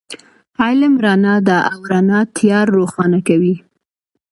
علم رڼا ده، او رڼا تیار روښانه کوي